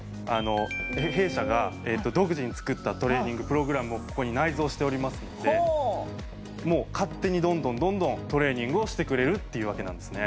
「弊社が独自に作ったトレーニングプログラムをここに内蔵しておりますのでもう勝手にどんどんどんどんトレーニングをしてくれるっていうわけなんですね」